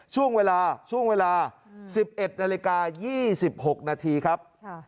ช่วงเวลา๑๑น๒๖นครับ